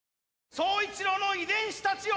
宗一郎の遺伝子たちよ！